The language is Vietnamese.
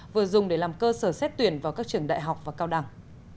vừa dùng để làm cơ sở xét tuyển vào các trường đại học và cao đẳng